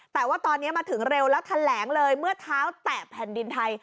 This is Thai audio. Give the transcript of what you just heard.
แต่ว่าตอนนี้มาถึงเร็วแล้วแถลงเลยเมื่อเท้าแตะแผ่นดินไทย